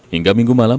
hingga minggu malam